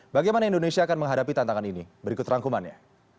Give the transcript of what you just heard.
bagaimana indonesia akan menghadapi tantangan ini berikut rangkumannya